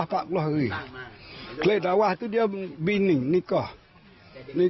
ห่วงคู่ก็ขึ้นว่าต้องปัดนั้นก็ได้